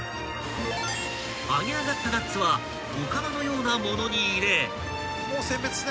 ［揚げ上がったナッツはお釜のような物に入れ］